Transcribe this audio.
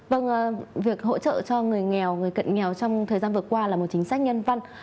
vâng việc hỗ trợ cho người nghèo người cận nghèo trong thời gian vừa qua là một chính sách nhân văn